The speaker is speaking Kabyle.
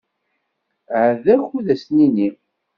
Ahat d akud ad as-nini.